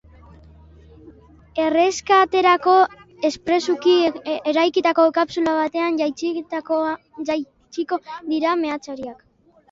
Erreskaterako espresuki eraikitako kapsula batean jaitsiko dira meatzariak.